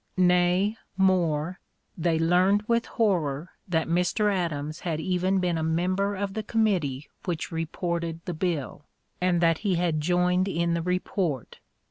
Nay, more, they learned with horror that Mr. Adams had even been a member of the committee which reported the bill, and that he had joined in the report.